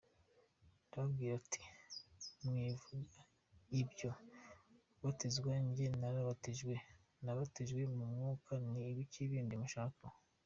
Ndababwira nti mwivuga ibyo kubatizwa njye narabatijwe, nabatijwe mu Mwuka, ni ibiki bindi munshakaho ?